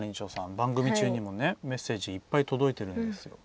番組中にもメッセージいっぱい届いてるんですよ。